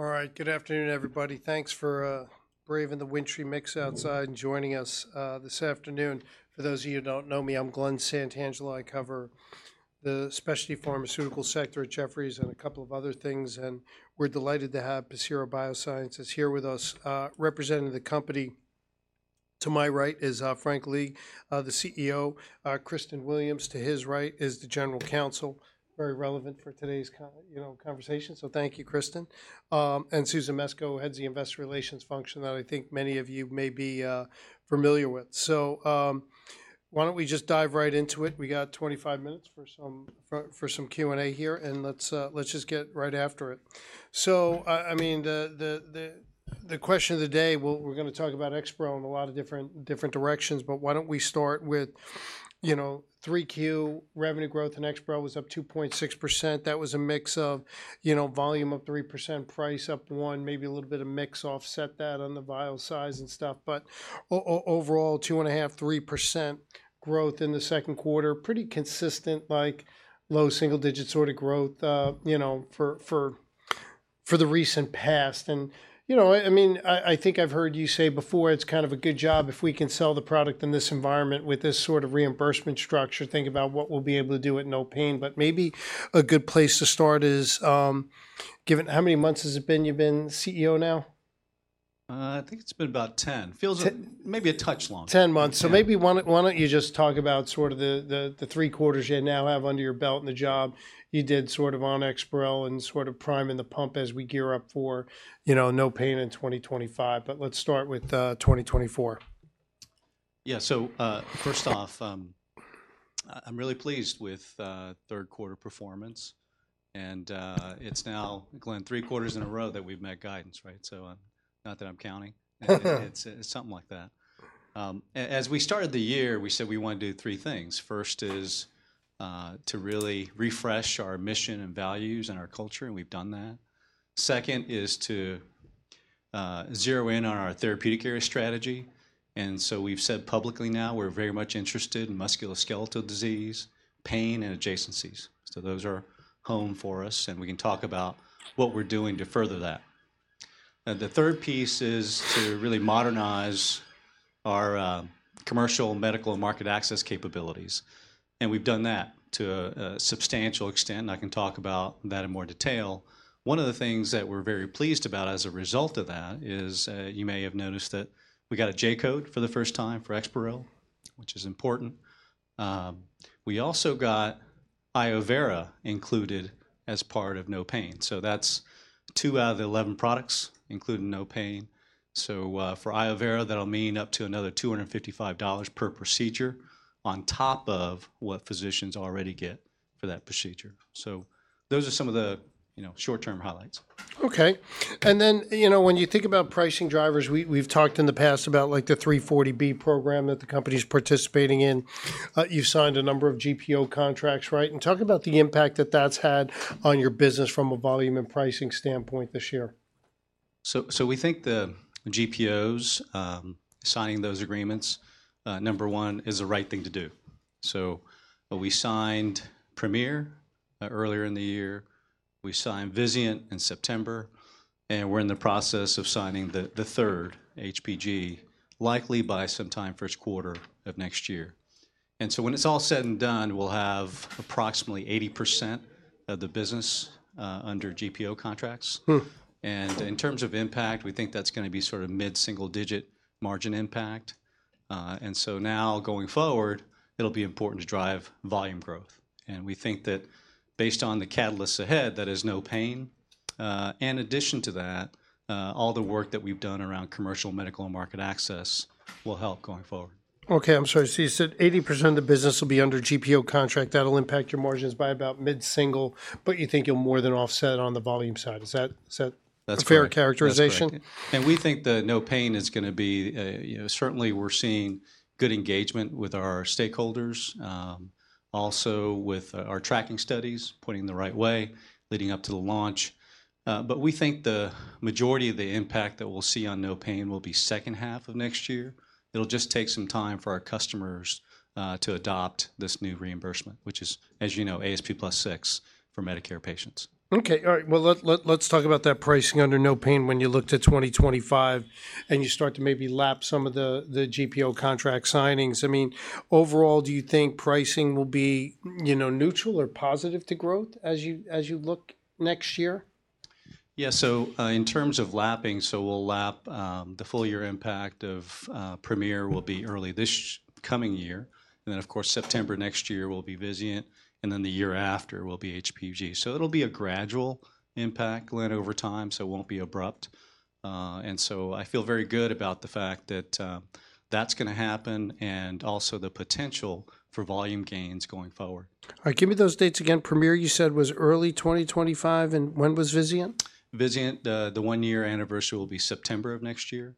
All right, good afternoon, everybody. Thanks for braving the wintry mix outside and joining us this afternoon. For those of you who don't know me, I'm Glen Santangelo. I cover the specialty pharmaceutical sector at Jefferies and a couple of other things, and we're delighted to have Pacira BioSciences here with us. Representing the company, to my right is Frank Lee, the CEO. Kristen Williams, to his right is the General Counsel, very relevant for today's conversation. So thank you, Kristen, and Susan Mesco, who heads the Investor Relations function that I think many of you may be familiar with. So why don't we just dive right into it? We got 25 minutes for some Q&A here, and let's just get right after it. So, I mean, the question of the day, we're going to talk about EXPAREL in a lot of different directions, but why don't we start with 3Q revenue growth, and EXPAREL was up 2.6%. That was a mix of volume up 3%, price up 1%, maybe a little bit of mix offset that on the vial size and stuff. But overall, 2.5%-3% growth in the second quarter, pretty consistent, like low single-digit sort of growth for the recent past. And I mean, I think I've heard you say before, it's kind of a good job if we can sell the product in this environment with this sort of reimbursement structure. Think about what we'll be able to do at NOPAIN. But maybe a good place to start is, how many months has it been you've been CEO now? I think it's been about 10. Feels maybe a touch long. 10 months. So maybe why don't you just talk about sort of the three quarters you now have under your belt and the job you did sort of on EXPAREL and sort of priming the pump as we gear up for NOPAIN in 2025. But let's start with 2024. Yeah, so first off, I'm really pleased with third quarter performance. And it's now, Glenn, three quarters in a row that we've met guidance, right? So not that I'm counting. It's something like that. As we started the year, we said we wanted to do three things. First is to really refresh our mission and values and our culture, and we've done that. Second is to zero in on our therapeutic area strategy. And so we've said publicly now we're very much interested in musculoskeletal disease, pain, and adjacencies. So those are home for us, and we can talk about what we're doing to further that. The third piece is to really modernize our commercial, medical, and market access capabilities. And we've done that to a substantial extent. I can talk about that in more detail. One of the things that we're very pleased about as a result of that is you may have noticed that we got a J-code for the first time for EXPAREL, which is important. We also got Iovera included as part of NOPAIN. So that's two out of the 11 products including NOPAIN. So for Iovera, that'll mean up to another $255 per procedure on top of what physicians already get for that procedure. So those are some of the short-term highlights. Okay, and then when you think about pricing drivers, we've talked in the past about the 340B Program that the company's participating in. You've signed a number of GPO contracts, right, and talk about the impact that that's had on your business from a volume and pricing standpoint this year. So we think the GPOs, signing those agreements, number one, is the right thing to do. So we signed Premier earlier in the year. We signed Vizient in September, and we're in the process of signing the third, HPG, likely by sometime first quarter of next year. And so when it's all said and done, we'll have approximately 80% of the business under GPO contracts. And in terms of impact, we think that's going to be sort of mid-single-digit margin impact. And so now going forward, it'll be important to drive volume growth. And we think that based on the catalysts ahead, that is NOPAIN. In addition to that, all the work that we've done around commercial, medical, and market access will help going forward. Okay. I'm sorry. So you said 80% of the business will be under GPO contract. That'll impact your margins by about mid-single, but you think you'll more than offset on the volume side. Is that a fair characterization? We think the NOPAIN is going to be certainly. We're seeing good engagement with our stakeholders, also with our tracking studies putting the right way leading up to the launch. We think the majority of the impact that we'll see on NOPAIN will be second half of next year. It'll just take some time for our customers to adopt this new reimbursement, which is, as you know, ASP plus six for Medicare patients. Let's talk about that pricing under NOPAIN when you look to 2025 and you start to maybe lap some of the GPO contract signings. I mean, overall, do you think pricing will be neutral or positive to growth as you look next year? Yeah, so in terms of lapping, so we'll lap the full year impact of Premier. The full year impact of Premier will be early this coming year, and then, of course, September next year will be Vizient, and then the year after will be HPG, so it'll be a gradual impact, Glen, over time, so it won't be abrupt, and so I feel very good about the fact that that's going to happen and also the potential for volume gains going forward. All right. Give me those dates again. Premier, you said, was early 2025. And when was Vizient? Vizient, the one-year anniversary will be September of next year.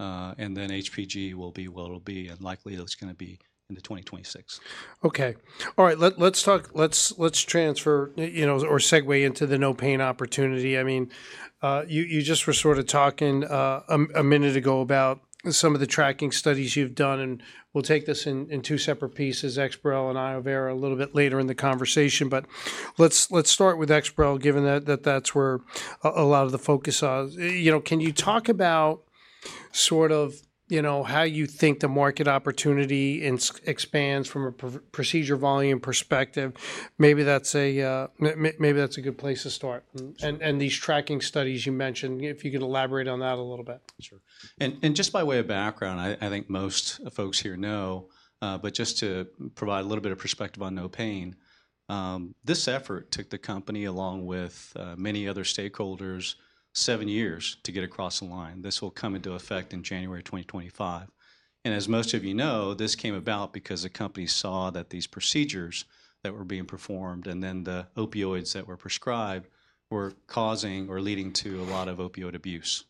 And then HPG will be what it'll be. And likely it's going to be in the 2026. Okay. All right. Let's transition, you know, or segue into the no pain opportunity. I mean, you just were sort of talking a minute ago about some of the tracking studies you've done, and we'll take this in two separate pieces, EXPAREL and Iovera, a little bit later in the conversation, but let's start with EXPAREL, given that that's where a lot of the focus is. Can you talk about sort of how you think the market opportunity expands from a procedure volume perspective? Maybe that's a good place to start, and these tracking studies you mentioned, if you could elaborate on that a little bit. Sure. And just by way of background, I think most folks here know, but just to provide a little bit of perspective on NOPAIN, this effort took the company, along with many other stakeholders, seven years to get across the line. This will come into effect in January 2025. And as most of you know, this came about because the company saw that these procedures that were being performed and then the opioids that were prescribed were causing or leading to a lot of opioid abuse.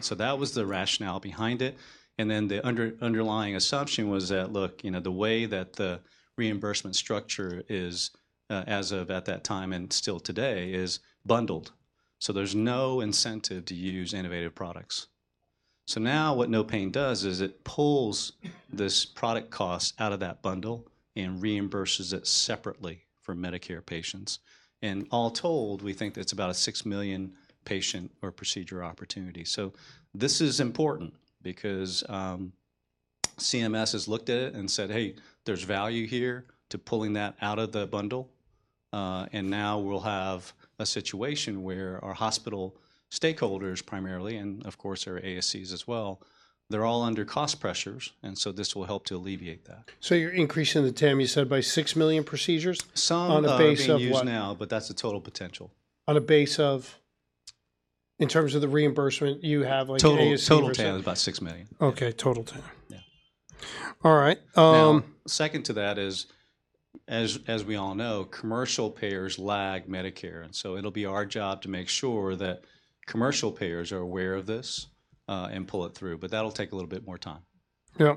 So that was the rationale behind it. And then the underlying assumption was that, look, the way that the reimbursement structure is as of at that time and still today is bundled. So now what NOPAIN does is it pulls this product cost out of that bundle and reimburses it separately for Medicare patients. All told, we think that's about a 6 million patient or procedure opportunity. This is important because CMS has looked at it and said, "Hey, there's value here to pulling that out of the bundle." Now we'll have a situation where our hospital stakeholders primarily, and of course, our ASCs as well, are all under cost pressures. This will help to alleviate that. So you're increasing the TAM, you said, by six million procedures on a base of. Some are used now, but that's a total potential. On a basis of, in terms of the reimbursement, you have like ASC%. Total TAM is about six million. Okay. Total TAM. All right. Second to that is, as we all know, commercial payers lag Medicare, and so it'll be our job to make sure that commercial payers are aware of this and pull it through, but that'll take a little bit more time. Yeah.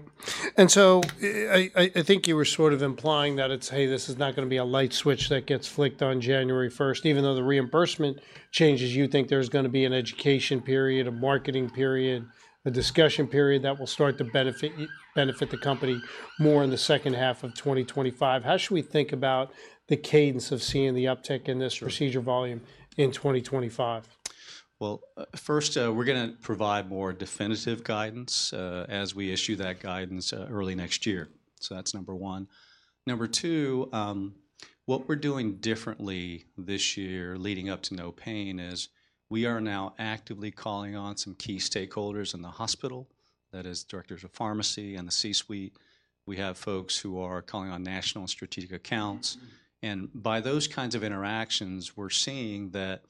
And so I think you were sort of implying that it's, "Hey, this is not going to be a light switch that gets flicked on January 1st." Even though the reimbursement changes, you think there's going to be an education period, a marketing period, a discussion period that will start to benefit the company more in the second half of 2025. How should we think about the cadence of seeing the uptick in this procedure volume in 2025? First, we're going to provide more definitive guidance as we issue that guidance early next year. That is number one. Number two, what we're doing differently this year leading up to NOPAIN is we are now actively calling on some key stakeholders in the hospital, that is, directors of pharmacy and the C-suite. We have folks who are calling on national and strategic accounts. By those kinds of interactions, we're seeing that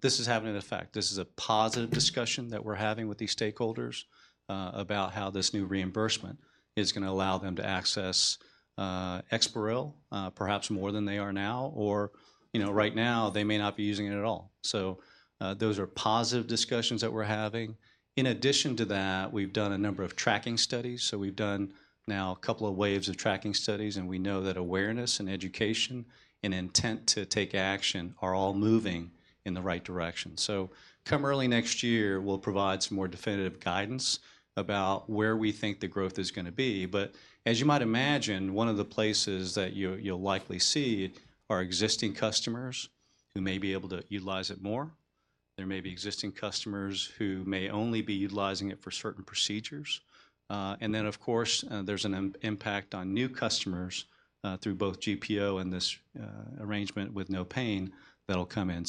this is having an effect. This is a positive discussion that we're having with these stakeholders about how this new reimbursement is going to allow them to access EXPAREL, perhaps more than they are now, or right now they may not be using it at all. Those are positive discussions that we're having. In addition to that, we've done a number of tracking studies. We've done now a couple of waves of tracking studies, and we know that awareness and education and intent to take action are all moving in the right direction. Come early next year, we'll provide some more definitive guidance about where we think the growth is going to be. But as you might imagine, one of the places that you'll likely see are existing customers who may be able to utilize it more. There may be existing customers who may only be utilizing it for certain procedures. And then, of course, there's an impact on new customers through both GPO and this arrangement with NOPAIN that'll come in.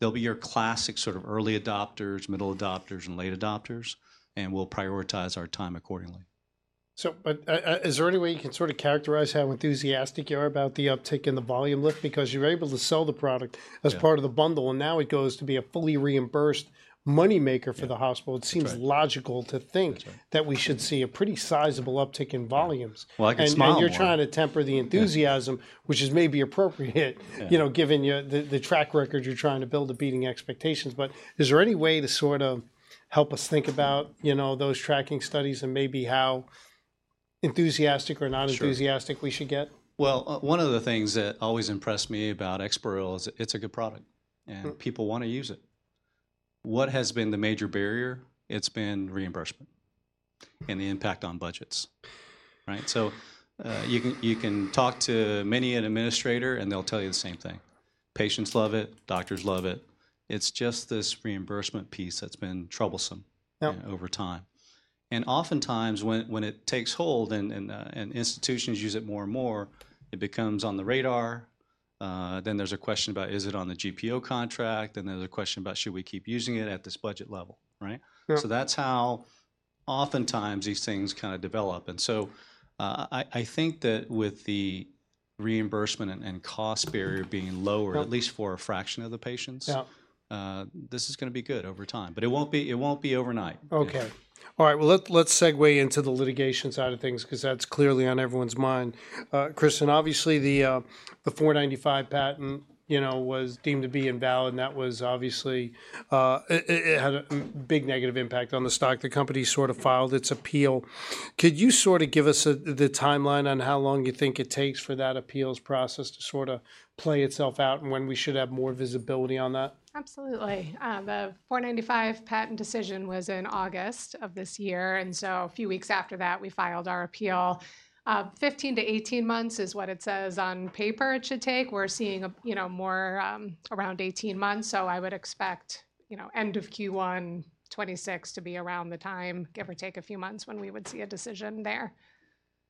They'll be your classic sort of early adopters, middle adopters, and late adopters, and we'll prioritize our time accordingly. So is there any way you can sort of characterize how enthusiastic you are about the uptick in the volume lift? Because you're able to sell the product as part of the bundle, and now it goes to be a fully reimbursed moneymaker for the hospital. It seems logical to think that we should see a pretty sizable uptick in volumes. And you're trying to temper the enthusiasm, which is maybe appropriate, given the track record you're trying to build to beating expectations. But is there any way to sort of help us think about those tracking studies and maybe how enthusiastic or not enthusiastic we should get? One of the things that always impressed me about EXPAREL is it's a good product, and people want to use it. What has been the major barrier? It's been reimbursement and the impact on budgets. You can talk to many an administrator, and they'll tell you the same thing. Patients love it. Doctors love it. It's just this reimbursement piece that's been troublesome over time. Oftentimes, when it takes hold and institutions use it more and more, it becomes on the radar. There's a question about, is it on the GPO contract? Then there's a question about, should we keep using it at this budget level? That's how oftentimes these things kind of develop. I think that with the reimbursement and cost barrier being lower, at least for a fraction of the patients, this is going to be good over time. But it won't be overnight. Okay. All right. Well, let's segue into the litigation side of things because that's clearly on everyone's mind. Kristen, obviously, the '495 Patent was deemed to be invalid. And that was obviously had a big negative impact on the stock. The company sort of filed its appeal. Could you sort of give us the timeline on how long you think it takes for that appeals process to sort of play itself out and when we should have more visibility on that? Absolutely. The '495 Patent decision was in August of this year, and so a few weeks after that, we filed our appeal. 15-18 months is what it says on paper it should take. We're seeing more around 18 months, so I would expect end of Q1 2026 to be around the time, give or take a few months, when we would see a decision there.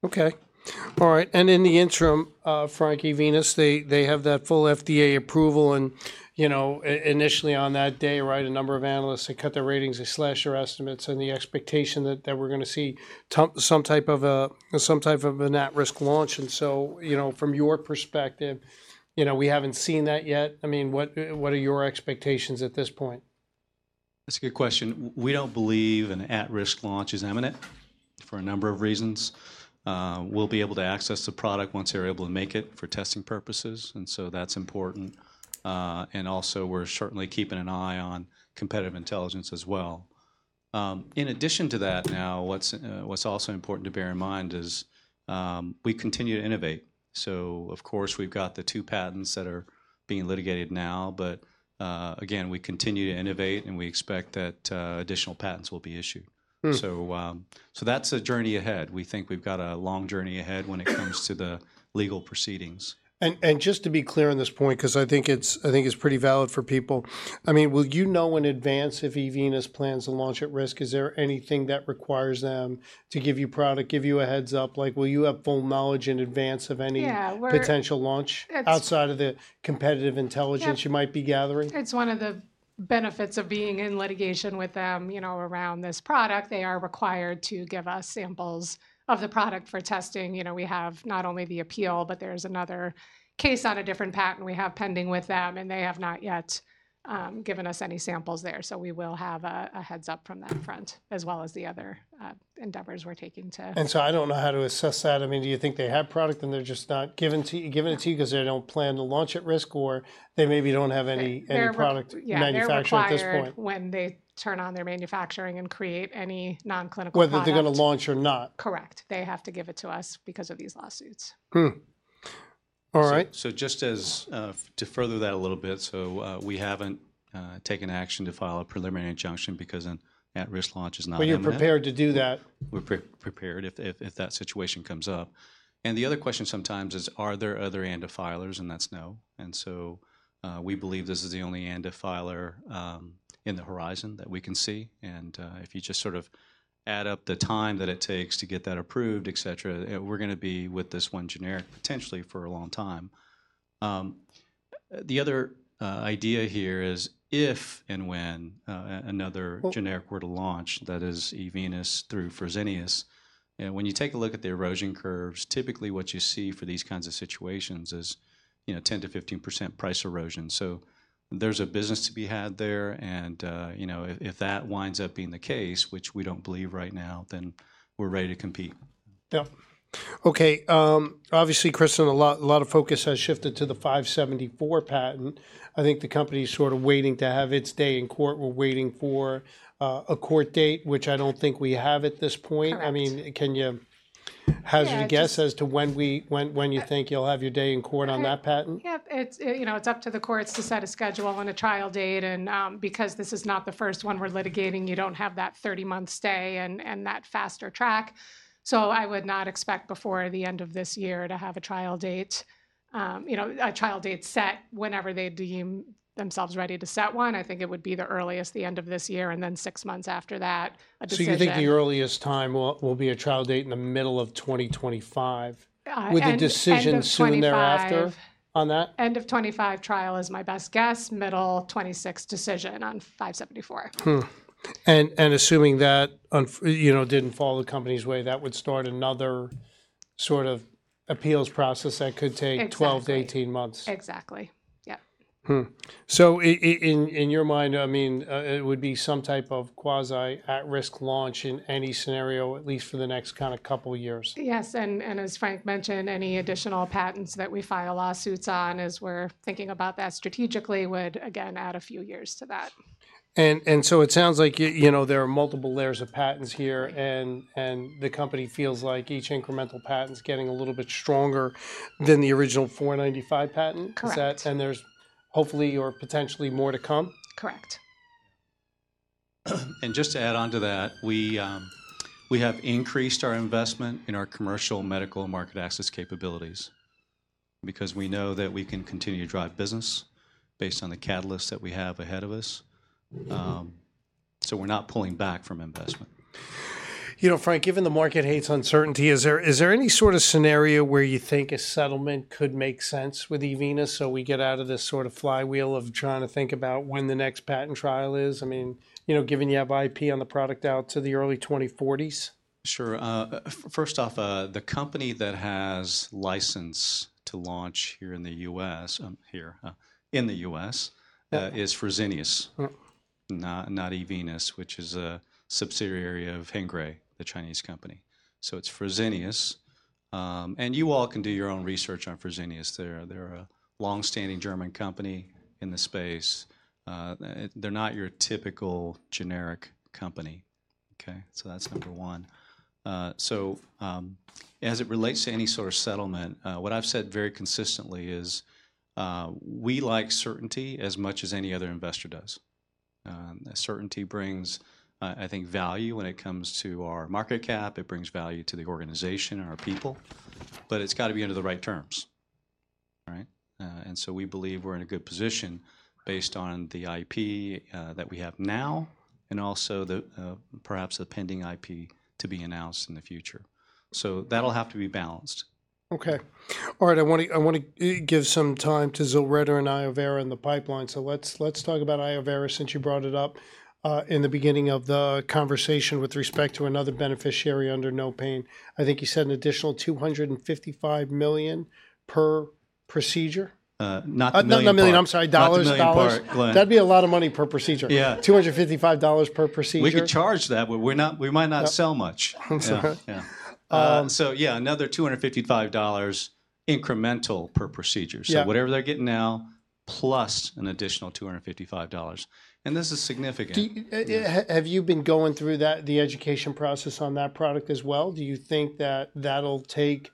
Okay. All right. And in the interim, eVenus, they have that full FDA approval. And initially on that day, a number of analysts had cut their ratings. They slashed their estimates and the expectation that we're going to see some type of an at-risk launch. And so from your perspective, we haven't seen that yet. I mean, what are your expectations at this point? That's a good question. We don't believe an at-risk launch is imminent for a number of reasons. We'll be able to access the product once they're able to make it for testing purposes, and so that's important. And also, we're certainly keeping an eye on competitive intelligence as well. In addition to that, now, what's also important to bear in mind is we continue to innovate, so of course, we've got the two patents that are being litigated now, but again, we continue to innovate, and we expect that additional patents will be issued, so that's a journey ahead. We think we've got a long journey ahead when it comes to the legal proceedings. Just to be clear on this point, because I think it's pretty valid for people, I mean, will you know in advance if eVenus plans to launch at risk? Is there anything that requires them to give you product, give you a heads up? Like, will you have full knowledge in advance of any potential launch outside of the competitive intelligence you might be gathering? It's one of the benefits of being in litigation with them around this product. They are required to give us samples of the product for testing. We have not only the appeal, but there's another case on a different patent we have pending with them, and they have not yet given us any samples there. So we will have a heads up from that front as well as the other endeavors we're taking to. And so I don't know how to assess that. I mean, do you think they have product and they're just not giving it to you because they don't plan to launch at risk or they maybe don't have any product manufacturing at this point? When they turn on their manufacturing and create any nonclinical product. Whether they're going to launch or not. Correct. They have to give it to us because of these lawsuits. All right. Just to further that a little bit, so we haven't taken action to file a preliminary injunction because an at-risk launch is not available. But you're prepared to do that. We're prepared if that situation comes up. And the other question sometimes is, are there other ANDA filers? And that's no. And so we believe this is the only ANDA filer on the horizon that we can see. And if you just sort of add up the time that it takes to get that approved, et cetera, we're going to be with this one generic potentially for a long time. The other idea here is if and when another generic were to launch that is eVenus through Fresenius, when you take a look at the erosion curves, typically what you see for these kinds of situations is 10%-15% price erosion. So there's a business to be had there. And if that winds up being the case, which we don't believe right now, then we're ready to compete. Yeah. Okay. Obviously, Kristen, a lot of focus has shifted to the '574 Patent. I think the company is sort of waiting to have its day in court. We're waiting for a court date, which I don't think we have at this point. I mean, can you hazard a guess as to when you think you'll have your day in court on that patent? Yep. It's up to the courts to set a schedule and a trial date, and because this is not the first one we're litigating, you don't have that 30-month stay and that faster track, so I would not expect before the end of this year to have a trial date set whenever they deem themselves ready to set one. I think it would be the earliest, the end of this year, and then six months after that. So you think the earliest time will be a trial date in the middle of 2025 with a decision soon thereafter on that? End of 2025 trial is my best guess. Middle 2026 decision on 574. Assuming that didn't fall the company's way, that would start another sort of appeals process that could take 12-18 months. Exactly. Yep. So in your mind, I mean, it would be some type of quasi at-risk launch in any scenario, at least for the next kind of couple of years. Yes, and as Frank mentioned, any additional patents that we file lawsuits on as we're thinking about that strategically would, again, add a few years to that. And so it sounds like there are multiple layers of patents here, and the company feels like each incremental patent is getting a little bit stronger than the original '495 Patent. Correct. There's hopefully or potentially more to come. Correct. And just to add on to that, we have increased our investment in our commercial medical and market access capabilities because we know that we can continue to drive business based on the catalysts that we have ahead of us. So we're not pulling back from investment. You know, Frank, given the market hates uncertainty, is there any sort of scenario where you think a settlement could make sense with eVenus so we get out of this sort of flywheel of trying to think about when the next patent trial is? I mean, given you have IP on the product out to the early 2040s. Sure. First off, the company that has license to launch here in the U.S. is Fresenius, not eVenus, which is a subsidiary of Hengrui, the Chinese company. So it's Fresenius. And you all can do your own research on Fresenius. They're a long-standing German company in the space. They're not your typical generic company. Okay? So that's number one. So as it relates to any sort of settlement, what I've said very consistently is we like certainty as much as any other investor does. Certainty brings, I think, value when it comes to our market cap. It brings value to the organization and our people. But it's got to be under the right terms. And so we believe we're in a good position based on the IP that we have now and also perhaps the pending IP to be announced in the future. So that'll have to be balanced. Okay. All right. I want to give some time to ZILRETTA and Iovera in the pipeline. So let's talk about Iovera, since you brought it up in the beginning of the conversation with respect to another beneficiary under no pain. I think you said an additional $255 million per procedure? Not million. Not million. I'm sorry. Dollars, dollars. That'd be a lot of money per procedure. $255 per procedure. We could charge that, but we might not sell much. So yeah, another $255 incremental per procedure. So whatever they're getting now, plus an additional $255, and this is significant. Have you been going through the education process on that product as well? Do you think that that'll take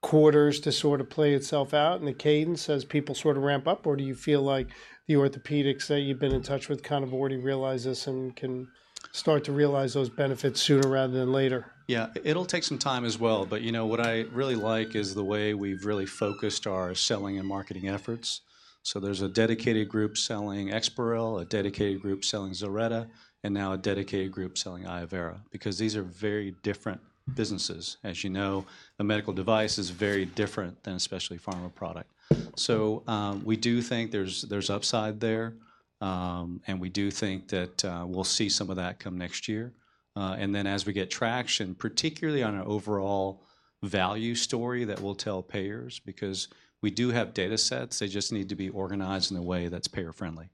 quarters to sort of play itself out and the cadence as people sort of ramp up? Or do you feel like the orthopedics that you've been in touch with kind of already realize this and can start to realize those benefits sooner rather than later? Yeah. It'll take some time as well. But you know what I really like is the way we've really focused our selling and marketing efforts. So there's a dedicated group selling EXPAREL, a dedicated group selling ZILRETTA, and now a dedicated group selling Iovera. Because these are very different businesses. As you know, a medical device is very different than especially pharma product. So we do think there's upside there. And we do think that we'll see some of that come next year. And then as we get traction, particularly on our overall value story that we'll tell payers, because we do have data sets, they just need to be organized in a way that's payer-friendly.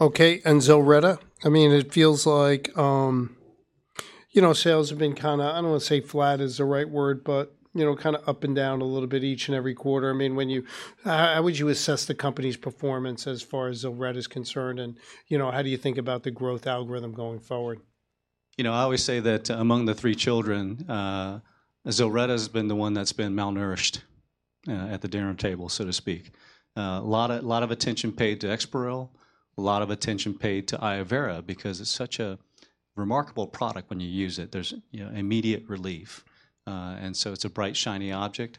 Okay, and ZILRETTA? I mean, it feels like sales have been kind of. I don't want to say flat is the right word, but kind of up and down a little bit each and every quarter. I mean, how would you assess the company's performance as far as ZILRETTA is concerned? And how do you think about the growth algorithm going forward? You know, I always say that among the three children, ZILRETTA has been the one that's been malnourished at the dinner table, so to speak. A lot of attention paid to EXPAREL, a lot of attention paid to Iovera because it's such a remarkable product when you use it. There's immediate relief, and so it's a bright, shiny object.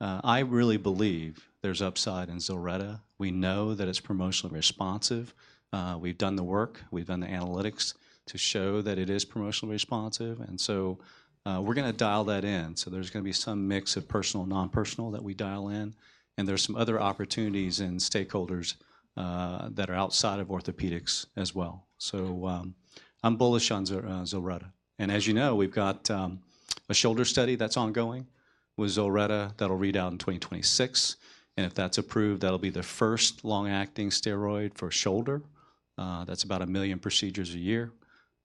I really believe there's upside in ZILRETTA. We know that it's promotionally responsive. We've done the work. We've done the analytics to show that it is promotionally responsive, and so we're going to dial that in. So there's going to be some mix of personal, non-personal that we dial in. And there's some other opportunities and stakeholders that are outside of orthopedics as well. So I'm bullish on ZILRETTA. And as you know, we've got a shoulder study that's ongoing with ZILRETTA that'll read out in 2026. If that's approved, that'll be the first long-acting steroid for shoulder. That's about a million procedures a year.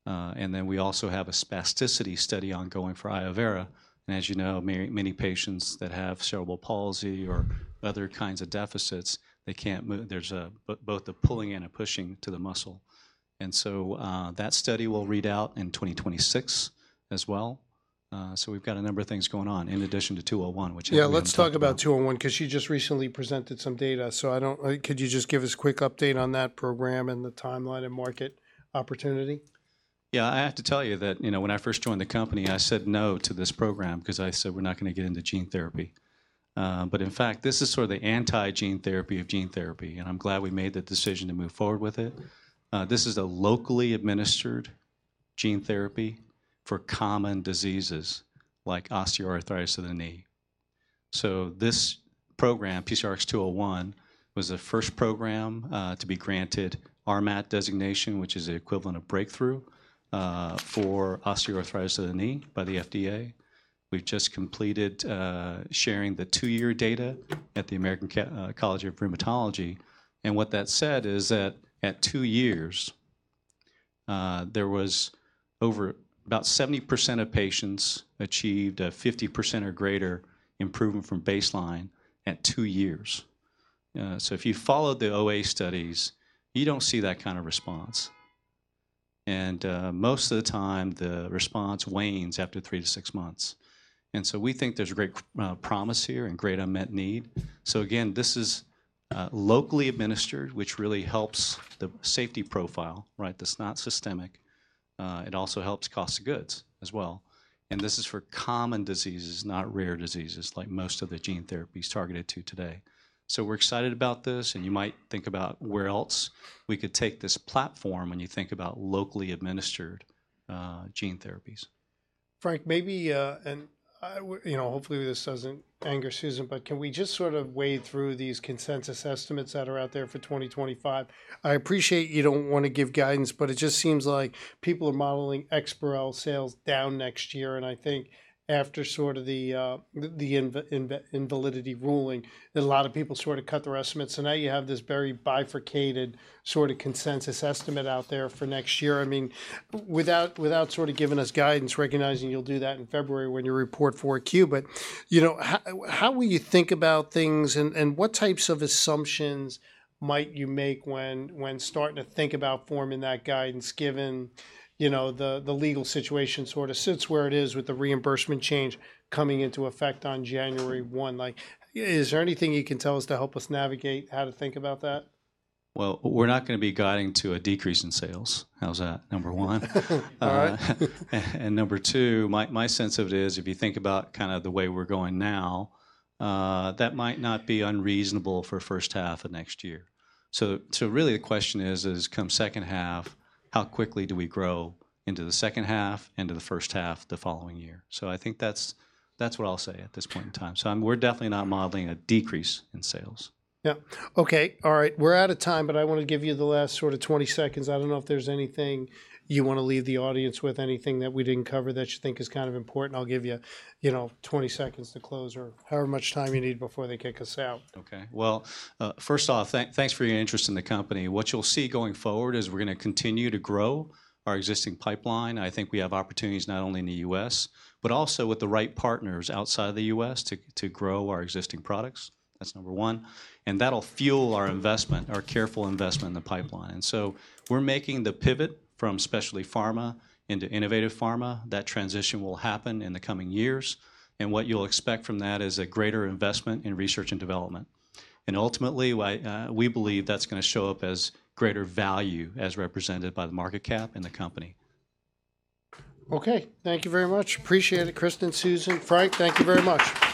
Then we also have a spasticity study ongoing for Iovera. As you know, many patients that have cerebral palsy or other kinds of deficits, they can't move. There's both a pulling and a pushing to the muscle. That study will read out in 2026 as well. We've got a number of things going on in addition to 201, which. Yeah, let's talk about 201 because you just recently presented some data. So could you just give us a quick update on that program and the timeline and market opportunity? Yeah. I have to tell you that when I first joined the company, I said no to this program because I said we're not going to get into gene therapy. But in fact, this is sort of the anti-gene therapy of gene therapy. And I'm glad we made the decision to move forward with it. This is a locally administered gene therapy for common diseases like osteoarthritis of the knee. So this program, PCRX-201, was the first program to be granted RMAT designation, which is the equivalent of breakthrough for osteoarthritis of the knee by the FDA. We've just completed sharing the two-year data at the American College of Rheumatology. And what that said is that at two years, there was over about 70% of patients achieved a 50% or greater improvement from baseline at two years. So if you follow the OA studies, you don't see that kind of response. And most of the time, the response wanes after three to six months. And so we think there's great promise here and great unmet need. So again, this is locally administered, which really helps the safety profile, right? It's not systemic. It also helps cost of goods as well. And this is for common diseases, not rare diseases like most of the gene therapies targeted to today. So we're excited about this. And you might think about where else we could take this platform when you think about locally administered gene therapies. Frank, maybe, and hopefully this doesn't anger Susan, but can we just sort of wade through these consensus estimates that are out there for 2025? I appreciate you don't want to give guidance, but it just seems like people are modeling EXPAREL sales down next year. And I think after sort of the invalidity ruling, a lot of people sort of cut their estimates. And now you have this very bifurcated sort of consensus estimate out there for next year. I mean, without sort of giving us guidance, recognizing you'll do that in February when you report for a Q. But how will you think about things and what types of assumptions might you make when starting to think about forming that guidance given the legal situation sort of sits where it is with the reimbursement change coming into effect on January 1? Is there anything you can tell us to help us navigate how to think about that? We're not going to be guiding to a decrease in sales. How's that? Number one. Number two, my sense of it is if you think about kind of the way we're going now, that might not be unreasonable for first half of next year. Really the question is, come second half, how quickly do we grow into the second half, into the first half the following year? I think that's what I'll say at this point in time. We're definitely not modeling a decrease in sales. Yeah. Okay. All right. We're out of time, but I want to give you the last sort of 20 seconds. I don't know if there's anything you want to leave the audience with, anything that we didn't cover that you think is kind of important. I'll give you 20 seconds to close or however much time you need before they kick us out. Okay. Well, first off, thanks for your interest in the company. What you'll see going forward is we're going to continue to grow our existing pipeline. I think we have opportunities not only in the U.S., but also with the right partners outside of the U.S. to grow our existing products. That's number one. And that'll fuel our investment, our careful investment in the pipeline. And so we're making the pivot from specialty pharma into innovative pharma. That transition will happen in the coming years. And what you'll expect from that is a greater investment in research and development. And ultimately, we believe that's going to show up as greater value as represented by the market cap and the company. Okay. Thank you very much. Appreciate it, Kristen, Susan, Frank. Thank you very much.